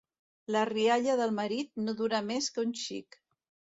La rialla del marit no dura més que un xic.